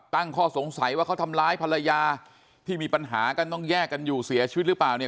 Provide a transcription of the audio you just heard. ตั้งข้อสงสัยว่าเขาทำร้ายภรรยาที่มีปัญหากันต้องแยกกันอยู่เสียชีวิตหรือเปล่าเนี่ย